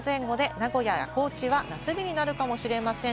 名古屋や高知は夏日になるかもしれません。